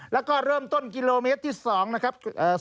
แล้วก็เริ่มต้นกิโลเมตรที่๒นะครับ